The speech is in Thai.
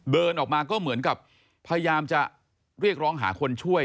เดินออกมาก็เหมือนกับพยายามจะเรียกร้องหาคนช่วย